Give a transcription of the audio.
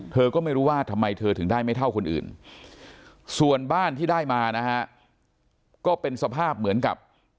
เธอก็ไม่รู้ว่าทำไมเธอถึงได้ไม่เท่าคนอื่นส่วนบ้านที่ได้มานะฮะก็เป็นสภาพเหมือนกับ